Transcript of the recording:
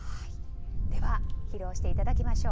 では披露していただきましょう。